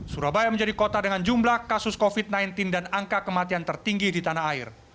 surabaya menjadi kota dengan jumlah kasus covid sembilan belas dan angka kematian tertinggi di tanah air